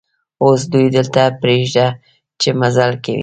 اوس دوی دلته پرېږده چې مزل کوي.